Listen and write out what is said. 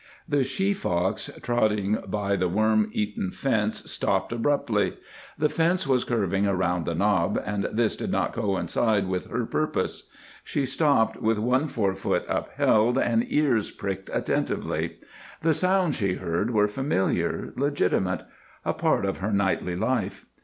The she fox trotting by the worm eaten fence stopped abruptly. The fence was curving around the knob, and this did not coincide with her purpose. She stopped with one fore foot upheld, and ears pricked attentively. The sounds she heard were familiar, legitimate; a part of her nightly life.